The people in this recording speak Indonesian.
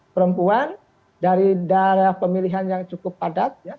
perempuan dari daerah pemilihan yang cukup padat